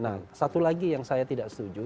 nah satu lagi yang saya tidak setuju